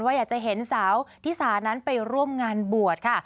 อยากจะเห็นสาวที่สานั้นไปร่วมงานบวชค่ะ